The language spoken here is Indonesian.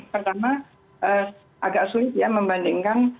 pertama agak sulit ya membandingkan